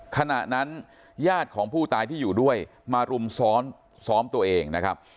ขณะนั้นญาติของผู้ตายที่อยู่ด้วยมารุมซ้อมตัวเองนะครับ